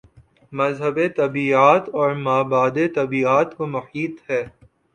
مذہب طبیعیات اور مابعدالطبیعیات کو محیط ہے۔